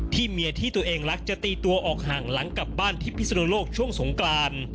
เมียที่ตัวเองรักจะตีตัวออกห่างหลังกลับบ้านที่พิศนโลกช่วงสงกราน